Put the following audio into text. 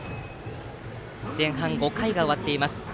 前半５回が終わっています。